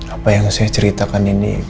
apa yang saya ceritakan ini